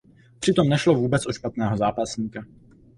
Přitom nešlo vůbec o špatného zápasníka.